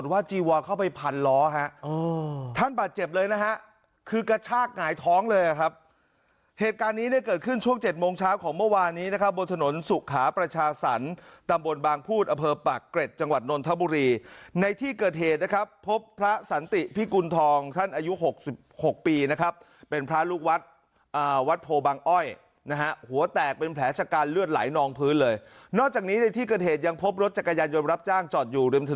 ว่าจีวอนเข้าไปพันล้อฮะอืมท่านบาดเจ็บเลยนะฮะคือกระชากหงายท้องเลยครับเหตุการณ์นี้เนี่ยเกิดขึ้นช่วงเจ็ดโมงเช้าของเมื่อวานนี้นะครับบนถนนสุขาประชาศรรย์ตำบลบางพูดอเภอปะเกร็ดจังหวัดนนทบุรีในที่เกิดเหตุนะครับพบพระสันติพี่กุณฑองท่านอายุหกสิบหกปีนะครับเป็นพระลูกวัดอ่